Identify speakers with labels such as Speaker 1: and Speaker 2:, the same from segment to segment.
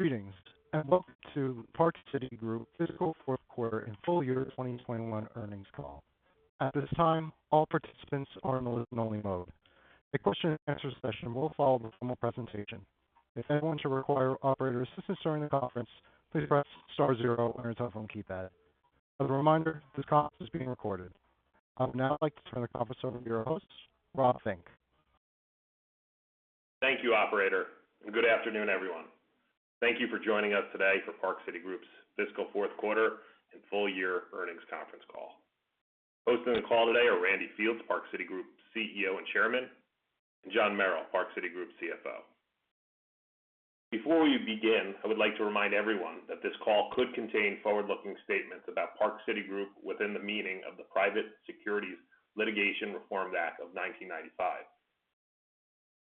Speaker 1: Greetings, welcome to Park City Group fiscal fourth quarter and full year 2021 earnings call. At this time, all participants are in listen only mode. A question and answer session will follow the formal presentation. If anyone should require operator assistance during the conference, please press star zero on your telephone keypad. As a reminder, this conference is being recorded. I would now like to turn the conference over to your host, Rob Fink.
Speaker 2: Thank you, operator, and good afternoon, everyone. Thank you for joining us today for Park City Group's fiscal fourth quarter and full year earnings conference call. Hosting the call today are Randy Fields, Park City Group CEO and Chairman, and John Merrill, Park City Group CFO. Before we begin, I would like to remind everyone that this call could contain forward-looking statements about Park City Group within the meaning of the Private Securities Litigation Reform Act of 1995.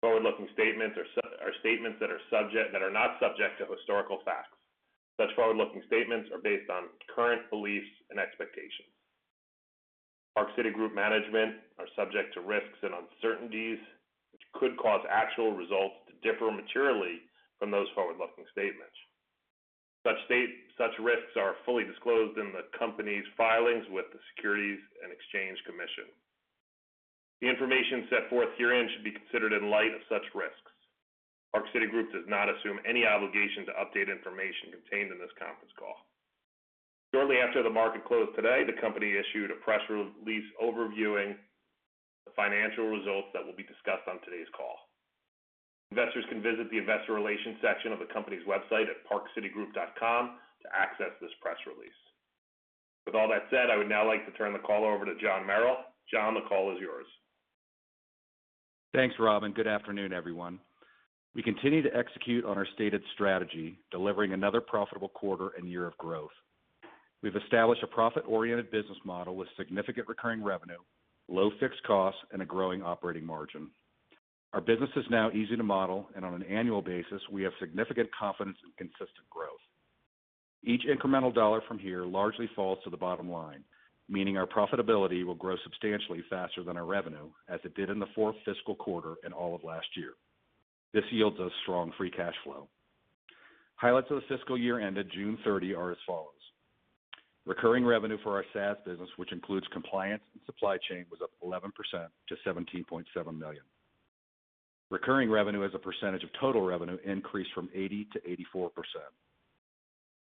Speaker 2: Forward-looking statements are statements that are not subject to historical facts. Such forward-looking statements are based on current beliefs and expectations. Park City Group management are subject to risks and uncertainties, which could cause actual results to differ materially from those forward-looking statements. Such risks are fully disclosed in the company's filings with the Securities and Exchange Commission. The information set forth herein should be considered in light of such risks. Park City Group does not assume any obligation to update information contained in this conference call. Shortly after the market closed today, the company issued a press release overviewing the financial results that will be discussed on today's call. Investors can visit the investor relations section of the company's website at parkcitygroup.com to access this press release. With all that said, I would now like to turn the call over to John Merrill. John, the call is yours.
Speaker 3: Thanks, Rob, and good afternoon, everyone. We continue to execute on our stated strategy, delivering another profitable quarter and year of growth. We've established a profit-oriented business model with significant recurring revenue, low fixed costs, and a growing operating margin. Our business is now easy to model, and on an annual basis, we have significant confidence in consistent growth. Each incremental dollar from here largely falls to the bottom line, meaning our profitability will grow substantially faster than our revenue, as it did in the fourth fiscal quarter and all of last year. This yields us strong free cash flow. Highlights of the fiscal year ended June 30 are as follows. Recurring revenue for our SaaS business, which includes compliance and supply chain, was up 11% to $17.7 million. Recurring revenue as a percentage of total revenue increased from 80%-84%.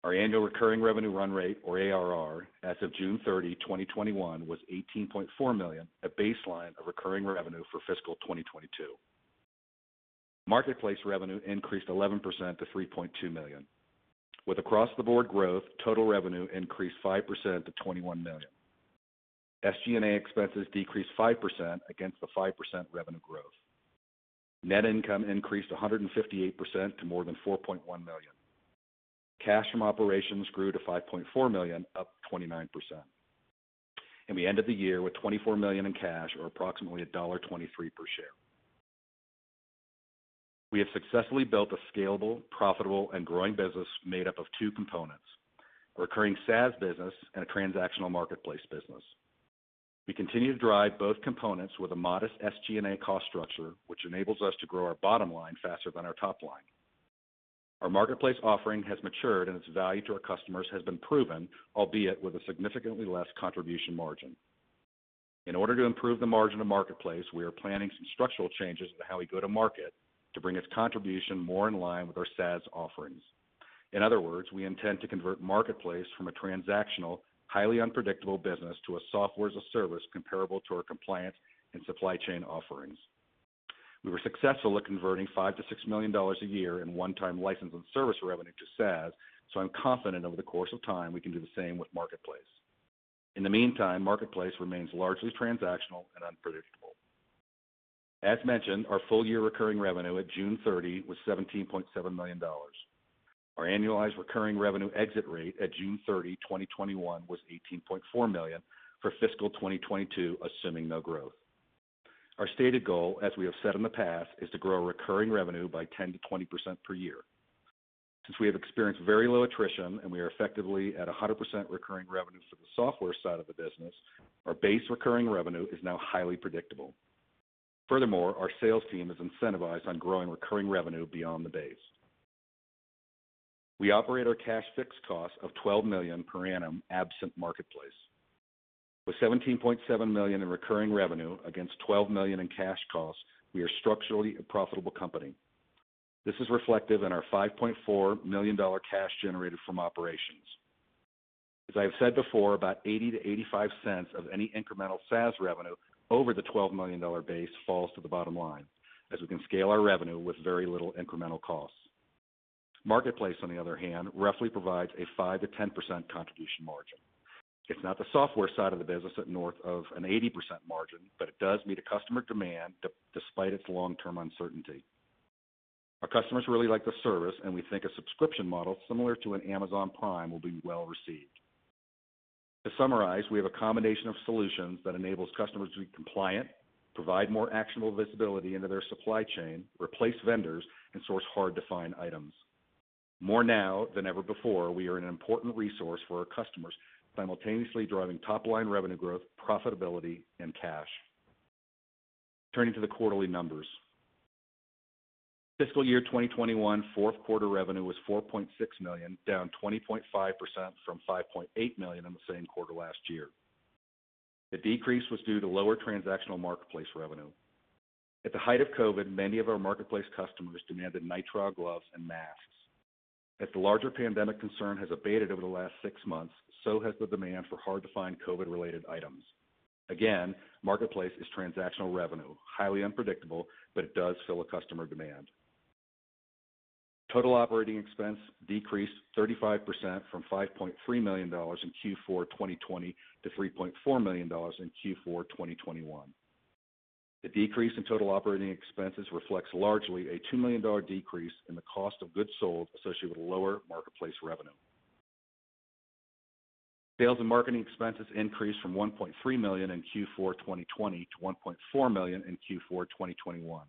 Speaker 3: Our annual recurring revenue run rate or ARR as of June 30, 2021, was $18.4 million, a baseline of recurring revenue for fiscal 2022. MarketPlace revenue increased 11% to $3.2 million. With across the board growth, total revenue increased 5% to $21 million. SG&A expenses decreased 5% against the 5% revenue growth. Net income increased 158% to more than $4.1 million. Cash from operations grew to $5.4 million, up 29%. We ended the year with $24 million in cash or approximately $1.23 per share. We have successfully built a scalable, profitable, and growing business made up of two components, a recurring SaaS business and a transactional MarketPlace business. We continue to drive both components with a modest SG&A cost structure, which enables us to grow our bottom line faster than our top line. Our MarketPlace offering has matured, and its value to our customers has been proven, albeit with a significantly less contribution margin. In order to improve the margin of MarketPlace, we are planning some structural changes to how we go to market to bring its contribution more in line with our SaaS offerings. In other words, we intend to convert MarketPlace from a transactional, highly unpredictable business to a software as a service comparable to our compliance and supply chain offerings. We were successful at converting $5 million-$6 million a year in one-time license and service revenue to SaaS. I'm confident over the course of time, we can do the same with MarketPlace. In the meantime, MarketPlace remains largely transactional and unpredictable. As mentioned, our full year recurring revenue at June 30 was $17.7 million. Our annualized recurring revenue exit rate at June 30, 2021, was $18.4 million for fiscal 2022, assuming no growth. Our stated goal, as we have said in the past, is to grow recurring revenue by 10%-20% per year. Since we have experienced very low attrition and we are effectively at 100% recurring revenue for the software side of the business, our base recurring revenue is now highly predictable. Furthermore, our sales team is incentivized on growing recurring revenue beyond the base. We operate our cash fixed cost of $12 million per annum absent MarketPlace. With $17.7 million in recurring revenue against $12 million in cash costs, we are structurally a profitable company. This is reflective in our $5.4 million cash generated from operations. As I have said before, about $0.80 to $0.85 of any incremental SaaS revenue over the $12 million base falls to the bottom line, as we can scale our revenue with very little incremental costs. MarketPlace, on the other hand, roughly provides a 5%-10% contribution margin. It's not the software side of the business at north of an 80% margin, but it does meet a customer demand despite its long-term uncertainty. Our customers really like the service, and we think a subscription model similar to an Amazon Prime will be well received. To summarize, we have a combination of solutions that enables customers to be compliant, provide more actionable visibility into their supply chain, replace vendors, and source hard-to-find items. More now than ever before, we are an important resource for our customers, simultaneously driving top-line revenue growth, profitability, and cash. Turning to the quarterly numbers. Fiscal year 2021 fourth quarter revenue was $4.6 million, down 20.5% from $5.8 million in the same quarter last year. The decrease was due to lower transactional MarketPlace revenue. At the height of COVID, many of our MarketPlace customers demanded nitrile gloves and masks. As the larger pandemic concern has abated over the last six months, so has the demand for hard-to-find COVID-related items. Again, MarketPlace is transactional revenue, highly unpredictable, but it does fill a customer demand. Total operating expense decreased 35% from $5.3 million in Q4 2020 to $3.4 million in Q4 2021. The decrease in total operating expenses reflects largely a $2 million decrease in the cost of goods sold associated with lower MarketPlace revenue. Sales and marketing expenses increased from $1.3 million in Q4 2020 to $1.4 million in Q4 2021.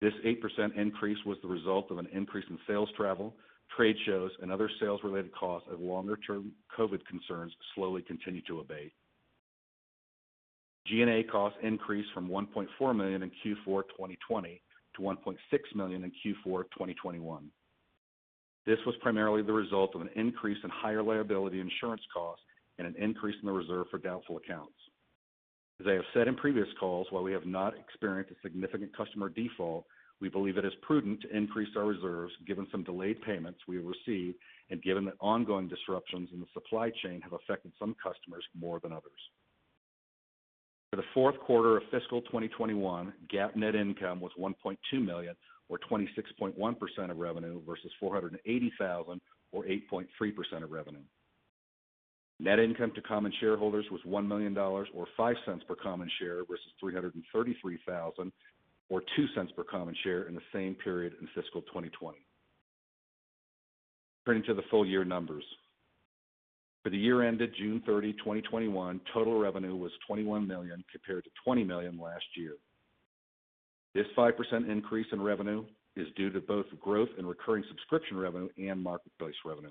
Speaker 3: This 8% increase was the result of an increase in sales travel, trade shows, and other sales-related costs as longer-term COVID concerns slowly continue to abate. G&A costs increased from $1.4 million in Q4 2020 to $1.6 million in Q4 2021. This was primarily the result of an increase in higher liability insurance costs and an increase in the reserve for doubtful accounts. As I have said in previous calls, while we have not experienced a significant customer default, we believe it is prudent to increase our reserves given some delayed payments we have received and given that ongoing disruptions in the supply chain have affected some customers more than others. For the fourth quarter of fiscal 2021, GAAP net income was $1.2 million, or 26.1% of revenue, versus $480,000 or 8.3% of revenue. Net income to common shareholders was $1 million or $0.05 per common share versus $333,000 or $0.02 per common share in the same period in fiscal 2020. Turning to the full year numbers. For the year ended June 30, 2021, total revenue was $21 million compared to $20 million last year. This 5% increase in revenue is due to both growth in recurring subscription revenue and MarketPlace revenue.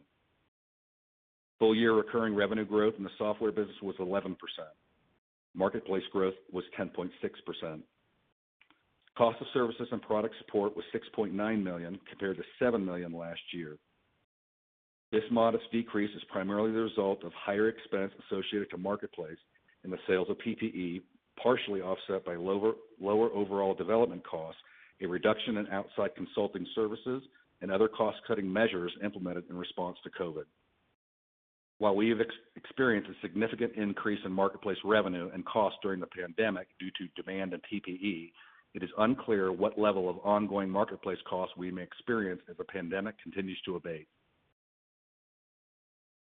Speaker 3: Full-year recurring revenue growth in the software business was 11%. MarketPlace growth was 10.6%. Cost of services and product support was $6.9 million, compared to $7 million last year. This modest decrease is primarily the result of higher expense associated to MarketPlace in the sales of PPE, partially offset by lower overall development costs, a reduction in outside consulting services, and other cost-cutting measures implemented in response to COVID. While we have experienced a significant increase in MarketPlace revenue and cost during the pandemic due to demand in PPE, it is unclear what level of ongoing MarketPlace costs we may experience as the pandemic continues to abate.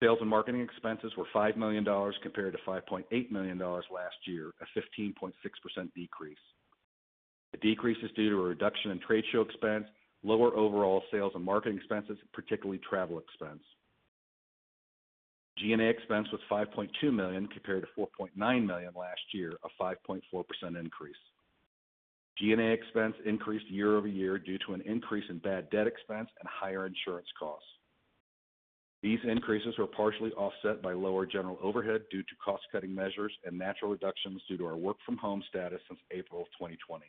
Speaker 3: Sales and marketing expenses were $5 million compared to $5.8 million last year, a 15.6% decrease. The decrease is due to a reduction in trade show expense, lower overall sales and marketing expenses, particularly travel expense. G&A expense was $5.2 million compared to $4.9 million last year, a 5.4% increase. G&A expense increased year-over-year due to an increase in bad debt expense and higher insurance costs. These increases were partially offset by lower general overhead due to cost-cutting measures and natural reductions due to our work-from-home status since April of 2020.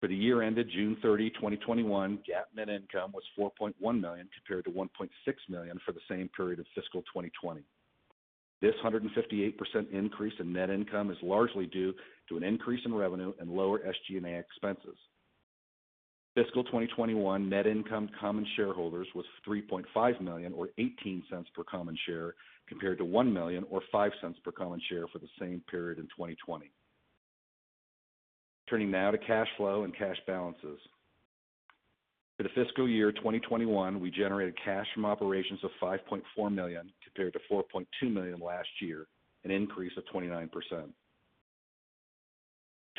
Speaker 3: For the year ended June 30, 2021, GAAP net income was $4.1 million, compared to $1.6 million for the same period of fiscal 2020. This 158% increase in net income is largely due to an increase in revenue and lower SG&A expenses. Fiscal 2021 net income to common shareholders was $3.5 million or $0.18 per common share, compared to $1 million or $0.05 per common share for the same period in 2020. Turning now to cash flow and cash balances. For the fiscal year 2021, we generated cash from operations of $5.4 million, compared to $4.2 million last year, an increase of 29%.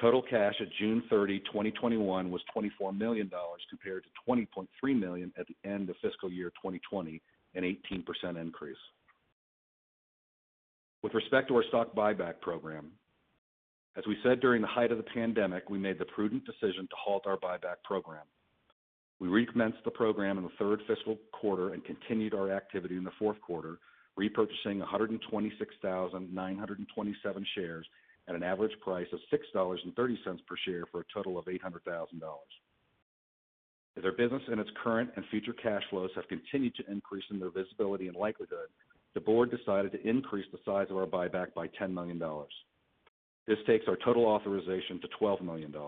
Speaker 3: Total cash at June 30, 2021 was $24 million, compared to $20.3 million at the end of fiscal year 2020, an 18% increase. With respect to our stock buyback program, as we said during the height of the pandemic, we made the prudent decision to halt our buyback program. We recommenced the program in the third fiscal quarter and continued our activity in the fourth quarter, repurchasing 126,927 shares at an average price of $6.30 per share for a total of $800,000. As our business and its current and future cash flows have continued to increase in their visibility and likelihood, the board decided to increase the size of our buyback by $10 million. This takes our total authorization to $12 million. As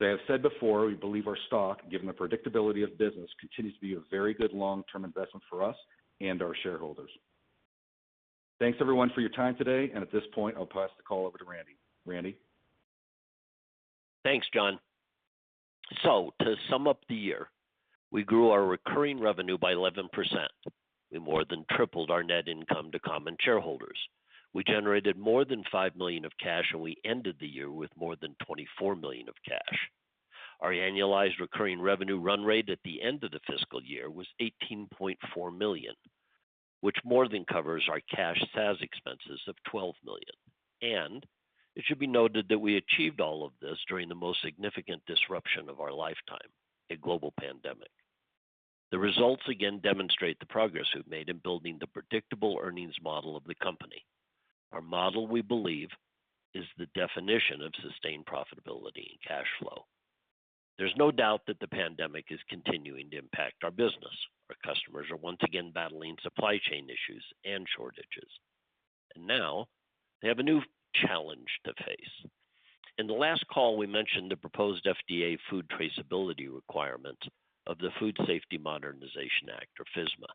Speaker 3: I have said before, we believe our stock, given the predictability of the business, continues to be a very good long-term investment for us and our shareholders. Thanks, everyone, for your time today. At this point, I'll pass the call over to Randy. Randy?
Speaker 4: Thanks, John. To sum up the year, we grew our recurring revenue by 11%. We more than tripled our net income to common shareholders. We generated more than $5 million of cash, and we ended the year with more than $24 million of cash. Our annualized recurring revenue run rate at the end of the fiscal year was $18.4 million, which more than covers our cash SaaS expenses of $12 million. It should be noted that we achieved all of this during the most significant disruption of our lifetime, a global pandemic. The results again demonstrate the progress we've made in building the predictable earnings model of the company. Our model, we believe, is the definition of sustained profitability and cash flow. There's no doubt that the pandemic is continuing to impact our business. Our customers are once again battling supply chain issues and shortages. Now they have a new challenge to face. In the last call, we mentioned the proposed FDA food traceability requirement of the Food Safety Modernization Act, or FSMA.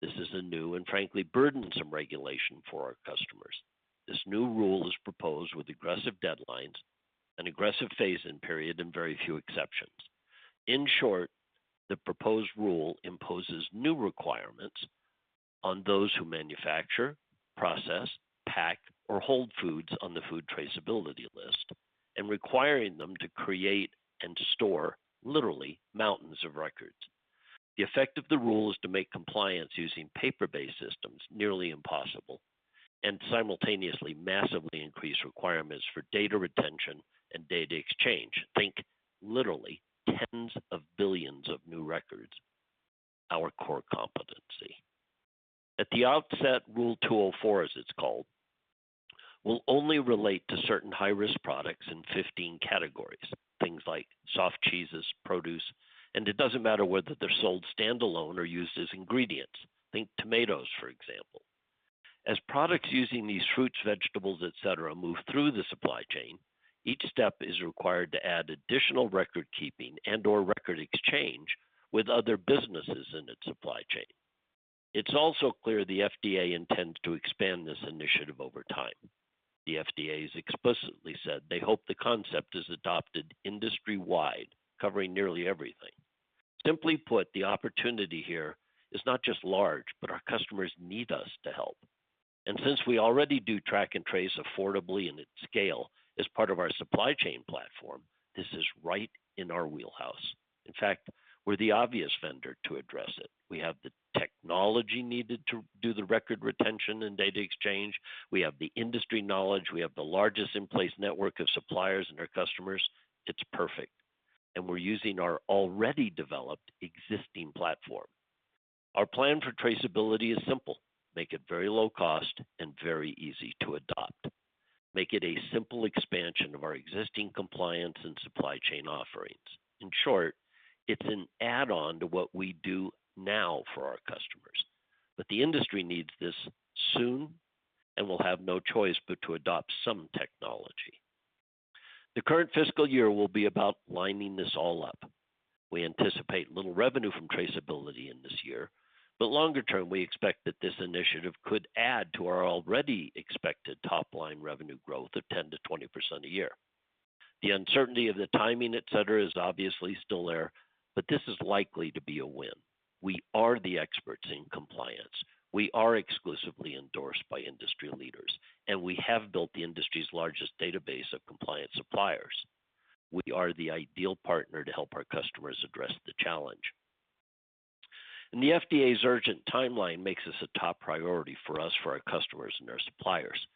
Speaker 4: This is a new and frankly burdensome regulation for our customers. This new rule is proposed with aggressive deadlines, an aggressive phase-in period, and very few exceptions. In short, the proposed rule imposes new requirements on those who manufacture, process, pack, or hold foods on the food traceability list and requiring them to create and to store literally mountains of records. The effect of the rule is to make compliance using paper-based systems nearly impossible, and simultaneously massively increase requirements for data retention and data exchange. Think literally tens of billions of new records, our core competency. At the outset, Rule 204, as it's called, will only relate to certain high-risk products in 15 categories, things like soft cheeses, produce, and it doesn't matter whether they're sold standalone or used as ingredients. Think tomatoes, for example. As products using these fruits, vegetables, et cetera, move through the supply chain, each step is required to add additional record keeping and/or record exchange with other businesses in its supply chain. It's also clear the FDA intends to expand this initiative over time. The FDA has explicitly said they hope the concept is adopted industry-wide, covering nearly everything. Simply put, the opportunity here is not just large, but our customers need us to help. Since we already do track and trace affordably and at scale as part of our supply chain platform, this is right in our wheelhouse. In fact, we're the obvious vendor to address it. We have the technology needed to do the record retention and data exchange. We have the industry knowledge. We have the largest in-place network of suppliers and our customers. It's perfect. We're using our already developed existing platform. Our plan for traceability is simple, make it very low cost and very easy to adopt. Make it a simple expansion of our existing compliance and supply chain offerings. In short, it's an add-on to what we do now for our customers. The industry needs this soon and will have no choice but to adopt some technology. The current fiscal year will be about lining this all up. We anticipate little revenue from traceability in this year, but longer term, we expect that this initiative could add to our already expected top-line revenue growth of 10%-20% a year. The uncertainty of the timing, et cetera, is obviously still there, but this is likely to be a win. We are the experts in compliance. We are exclusively endorsed by industry leaders, and we have built the industry's largest database of compliance suppliers. We are the ideal partner to help our customers address the challenge. The FDA's urgent timeline makes this a top priority for us, for our customers, and our suppliers.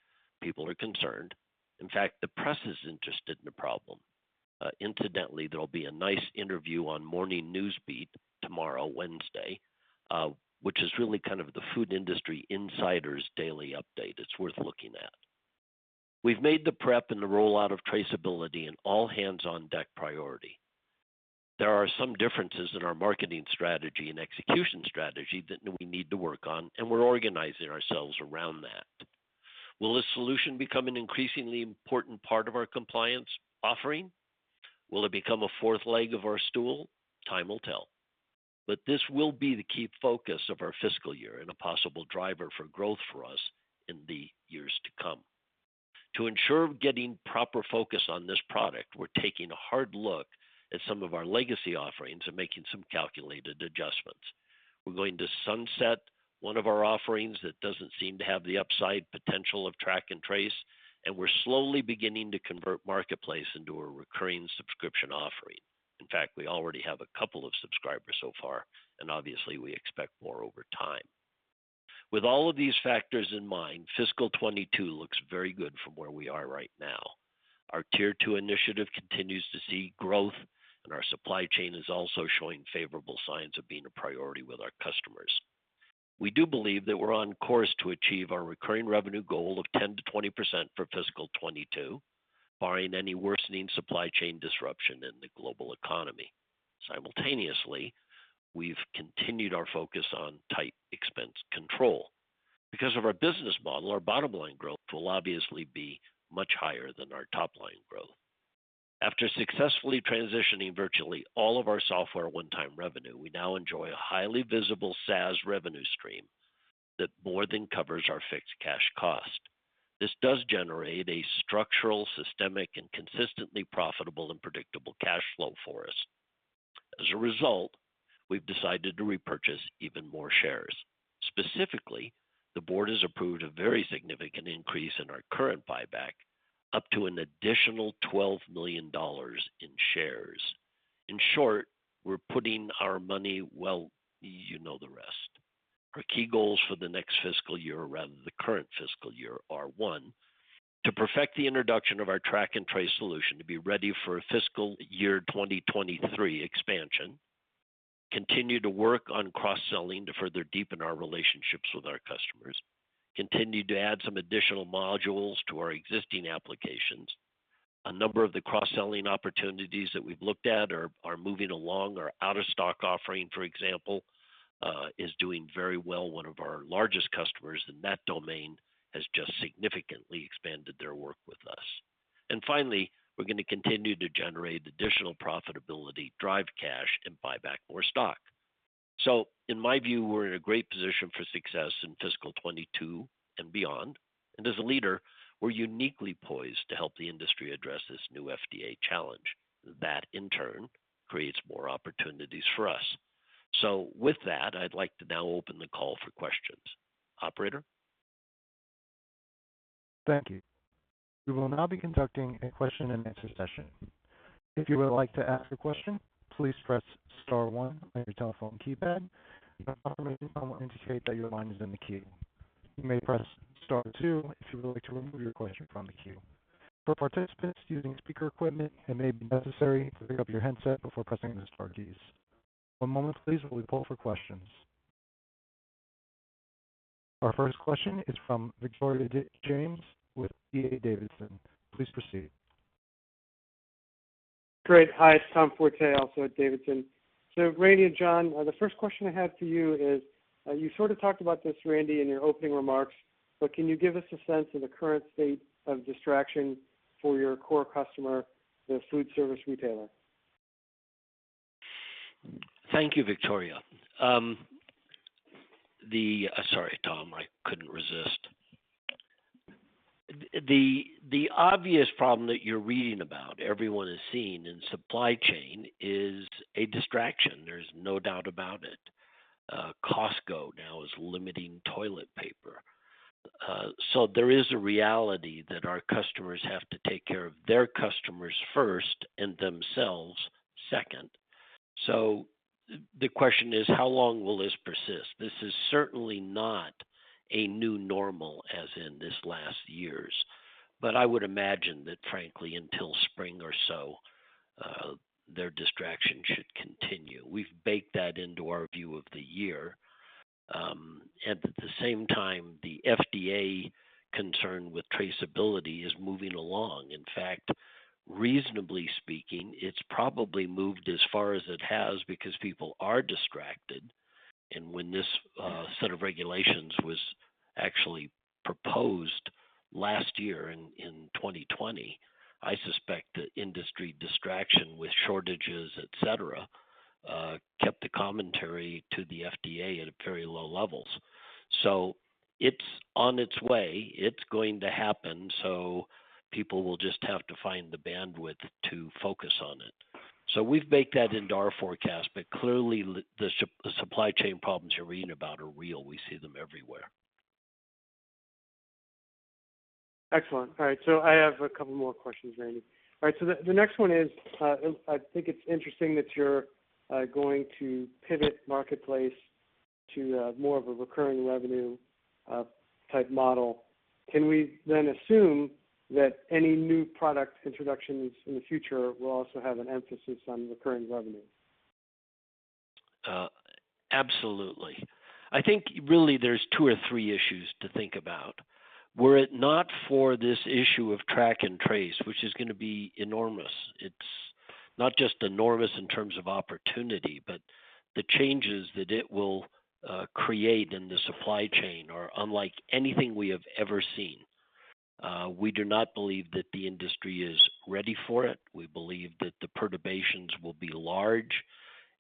Speaker 4: People are concerned. In fact, the press is interested in the problem. Incidentally, there'll be a nice interview on Morning News Beat tomorrow, Wednesday, which is really kind of the food industry insider's daily update. It's worth looking at. We've made the prep and the rollout of traceability an all-hands-on-deck priority. There are some differences in our marketing strategy and execution strategy that we need to work on, and we're organizing ourselves around that. Will this solution become an increasingly important part of our compliance offering? Will it become a fourth leg of our stool? Time will tell. This will be the key focus of our fiscal year and a possible driver for growth for us in the years to come. To ensure getting proper focus on this product, we're taking a hard look at some of our legacy offerings and making some calculated adjustments. We're going to sunset one of our offerings that doesn't seem to have the upside potential of track and trace, and we're slowly beginning to convert MarketPlace into a recurring subscription offering. In fact, we already have a couple of subscribers so far, and obviously, we expect more over time. With all of these factors in mind, fiscal 2022 looks very good from where we are right now. Our Tier Two initiative continues to see growth, and our supply chain is also showing favorable signs of being a priority with our customers. We do believe that we're on course to achieve our recurring revenue goal of 10%-20% for fiscal 2022, barring any worsening supply chain disruption in the global economy. Simultaneously, we've continued our focus on tight expense control. Because of our business model, our bottom line growth will obviously be much higher than our top line growth. After successfully transitioning virtually all of our software one-time revenue, we now enjoy a highly visible SaaS revenue stream that more than covers our fixed cash cost. This does generate a structural, systemic, and consistently profitable and predictable cash flow for us. As a result, we've decided to repurchase even more shares. Specifically, the board has approved a very significant increase in our current buyback, up to an additional $12 million in shares. In short, we're putting our money. Well, you know the rest. Our key goals for the next fiscal year, rather than the current fiscal year, are one, to perfect the introduction of our track and trace solution to be ready for fiscal year 2023 expansion. Continue to work on cross-selling to further deepen our relationships with our customers. Continue to add some additional modules to our existing applications. A number of the cross-selling opportunities that we've looked at are moving along. Our out-of-stock offering, for example, is doing very well. One of our largest customers in that domain has just significantly expanded their work with us. Finally, we're going to continue to generate additional profitability, drive cash, and buy back more stock. In my view, we're in a great position for success in fiscal 2022 and beyond. As a leader, we're uniquely poised to help the industry address this new FDA challenge. That in turn creates more opportunities for us. With that, I'd like to now open the call for questions. Operator?
Speaker 1: Thank you. We will now be conducting a question and answer session. If you would like to ask a question, please press star one on your telephone keypad. An automated tone will indicate that your line is in the queue. You may press star two if you would like to remove your question from the queue. For participants using speaker equipment, it may be necessary to pick up your handset before pressing the star keys. One moment please while we pull for questions. Our first question is from Victoria James with D.A. Davidson. Please proceed.
Speaker 5: Great. Hi, it's Tom Forte, also at Davidson. Randy and John, the first question I had for you is, you sort of talked about this, Randy, in your opening remarks, but can you give us a sense of the current state of distraction for your core customer, the food service retailer?
Speaker 4: Thank you, Victoria. Sorry, Tom, I couldn't resist. The obvious problem that you're reading about, everyone has seen in supply chain is a distraction. There's no doubt about it. Costco now is limiting toilet paper. There is a reality that our customers have to take care of their customers first and themselves second. The question is, how long will this persist? This is certainly not a new normal as in this last year's, but I would imagine that frankly, until spring or so, their distraction should continue. We've baked that into our view of the year. At the same time, the FDA concern with traceability is moving along. In fact, reasonably speaking, it's probably moved as far as it has because people are distracted. When this set of regulations was actually proposed last year in 2020, I suspect the industry distraction with shortages, et cetera, kept the commentary to the FDA at very low levels. It's on its way. It's going to happen, people will just have to find the bandwidth to focus on it. We've baked that into our forecast, but clearly the supply chain problems you're reading about are real. We see them everywhere.
Speaker 5: Excellent. All right. I have a couple more questions, Randy. All right. The next one is, I think it's interesting that you're going to pivot MarketPlace to more of a recurring revenue type model. Can we then assume that any new product introductions in the future will also have an emphasis on recurring revenue?
Speaker 4: Absolutely. I think really there's two or three issues to think about. Were it not for this issue of track and trace, which is going to be enormous. It's not just enormous in terms of opportunity, but the changes that it will create in the supply chain are unlike anything we have ever seen. We do not believe that the industry is ready for it. We believe that the perturbations will be large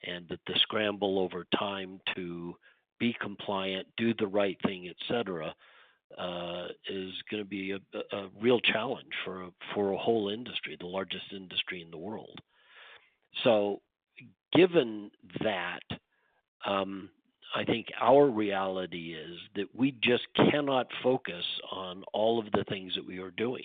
Speaker 4: and that the scramble over time to be compliant, do the right thing, et cetera, is going to be a real challenge for a whole industry, the largest industry in the world. Given that, I think our reality is that we just cannot focus on all of the things that we are doing.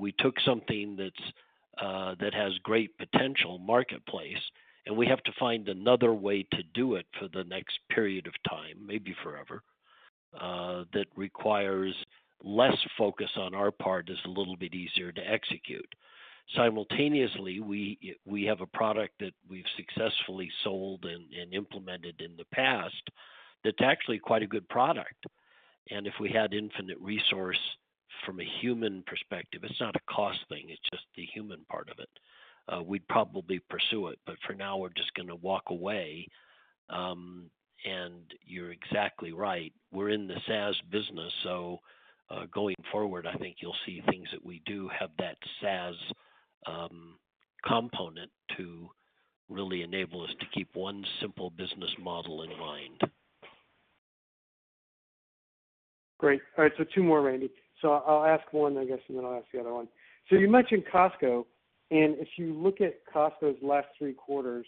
Speaker 4: We took something that has great potential, MarketPlace, and we have to find another way to do it for the next period of time, maybe forever, that requires less focus on our part, is a little bit easier to execute. Simultaneously, we have a product that we've successfully sold and implemented in the past that's actually quite a good product, and if we had infinite resource from a human perspective, it's not a cost thing, it's just the human part of it, we'd probably pursue it. For now, we're just going to walk away. You're exactly right. We're in the SaaS business, so going forward, I think you'll see things that we do have that SaaS component to really enable us to keep one simple business model in mind.
Speaker 5: Great. All right, two more, Randy. I'll ask one, I guess, and then I'll ask the other one. You mentioned Costco, and if you look at Costco's last three quarters,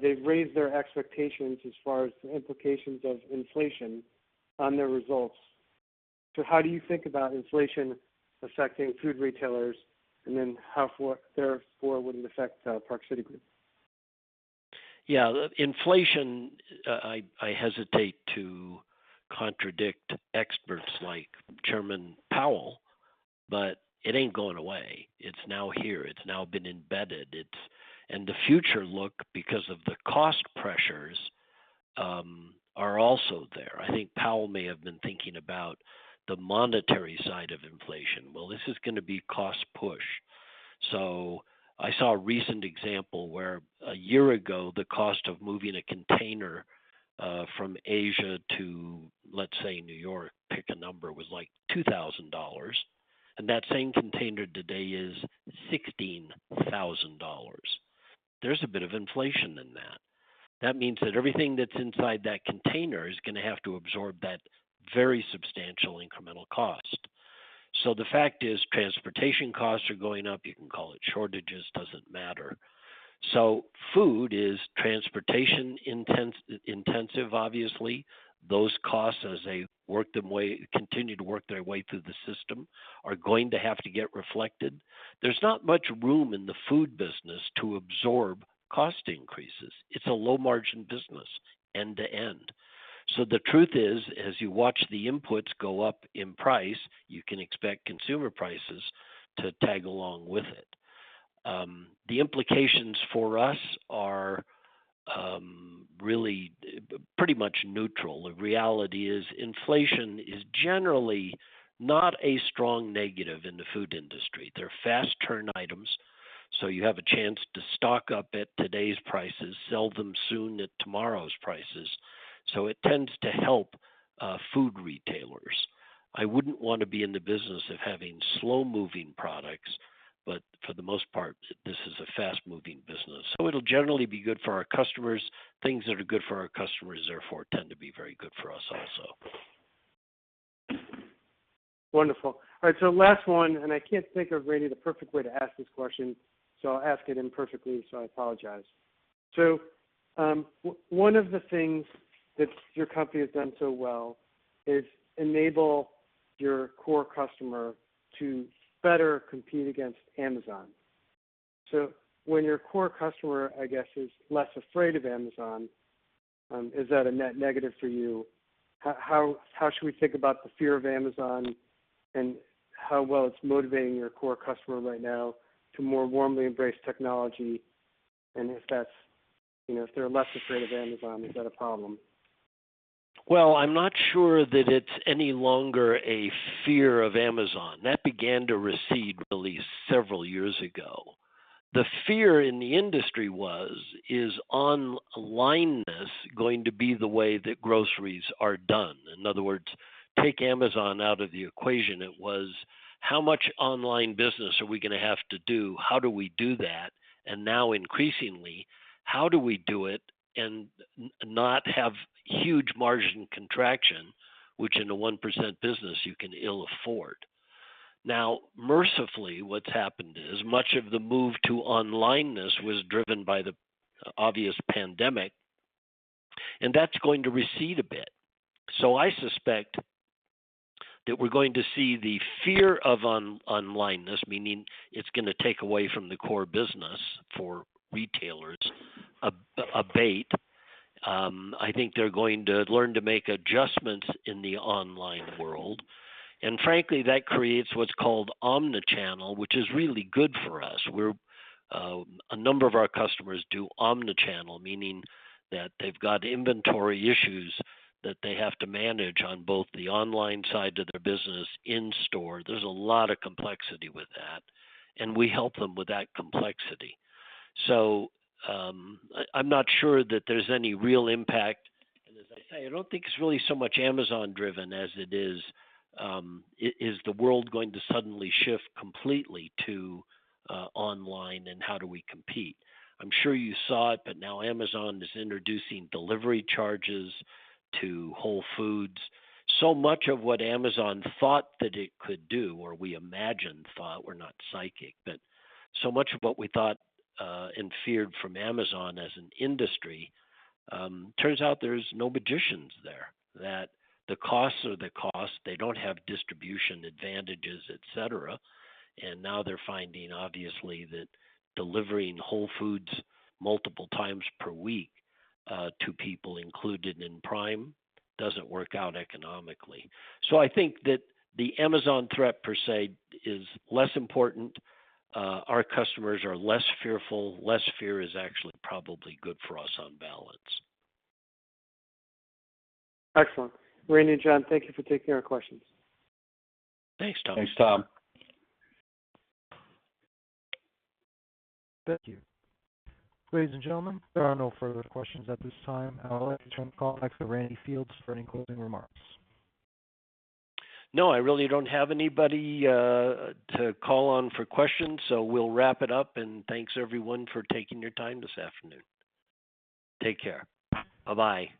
Speaker 5: they've raised their expectations as far as the implications of inflation on their results. How do you think about inflation affecting food retailers, how therefore would it affect Park City Group?
Speaker 4: Yeah. Inflation, I hesitate to contradict experts like Chairman Powell, but it ain't going away. It's now here. It's now been embedded. The future look, because of the cost pressures, are also there. I think Powell may have been thinking about the monetary side of inflation. This is going to be cost push. I saw a recent example where one year ago, the cost of moving a container from Asia to, let's say, New York, pick a number, was like $2,000. That same container today is $16,000. There's a bit of inflation in that. That means that everything that's inside that container is going to have to absorb that very substantial incremental cost. The fact is, transportation costs are going up. You can call it shortages, doesn't matter. Food is transportation intensive, obviously. Those costs, as they continue to work their way through the system, are going to have to get reflected. There's not much room in the food business to absorb cost increases. It's a low margin business, end to end. The truth is, as you watch the inputs go up in price, you can expect consumer prices to tag along with it. The implications for us are really pretty much neutral. The reality is inflation is generally not a strong negative in the food industry. They're fast turn items, so you have a chance to stock up at today's prices, sell them soon at tomorrow's prices. It tends to help food retailers. I wouldn't want to be in the business of having slow-moving products, but for the most part, this is a fast-moving business. It'll generally be good for our customers. Things that are good for our customers therefore tend to be very good for us also.
Speaker 5: Wonderful. All right, last one, I can't think of really the perfect way to ask this question, I'll ask it imperfectly, I apologize. One of the things that your company has done so well is enable your core customer to better compete against Amazon. When your core customer, I guess is less afraid of Amazon, is that a net negative for you? How should we think about the fear of Amazon and how well it's motivating your core customer right now to more warmly embrace technology? If they're less afraid of Amazon, is that a problem?
Speaker 4: I'm not sure that it's any longer a fear of Amazon. That began to recede at least several years ago. The fear in the industry was, is onlineness going to be the way that groceries are done? In other words, take Amazon out of the equation. It was, how much online business are we going to have to do? How do we do that? Now increasingly, how do we do it and not have huge margin contraction, which in a 1% business you can ill afford. Now, mercifully, what's happened is much of the move to onlineness was driven by the obvious pandemic, and that's going to recede a bit. I suspect that we're going to see the fear of onlineness, meaning it's going to take away from the core business for retailers, abate. I think they're going to learn to make adjustments in the online world, frankly, that creates what's called omnichannel, which is really good for us. A number of our customers do omnichannel, meaning that they've got inventory issues that they have to manage on both the online side of their business, in-store. There's a lot of complexity with that. We help them with that complexity. I'm not sure that there's any real impact. As I say, I don't think it's really so much Amazon driven as it is the world going to suddenly shift completely to online, and how do we compete? I'm sure you saw it, now Amazon is introducing delivery charges to Whole Foods. Much of what Amazon thought that it could do, or we imagined, thought, we're not psychic, but much of what we thought and feared from Amazon as an industry, turns out there's no magicians there. The costs are the costs. They don't have distribution advantages, et cetera. Now they're finding, obviously, that delivering Whole Foods multiple times per week to people included in Prime doesn't work out economically. I think that the Amazon threat per se is less important. Our customers are less fearful. Less fear is actually probably good for us on balance.
Speaker 5: Excellent. Randy and John, thank you for taking our questions.
Speaker 4: Thanks, Tom.
Speaker 3: Thanks, Tom.
Speaker 1: Thank you. Ladies and gentlemen, there are no further questions at this time. I'll let you turn the call back to Randy Fields for any closing remarks.
Speaker 4: No, I really don't have anybody to call on for questions, so we'll wrap it up, and thanks everyone for taking your time this afternoon. Take care. Bye-bye.